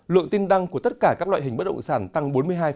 lượng tin đăng của tất cả các loại hình bất động sản tăng bốn mươi hai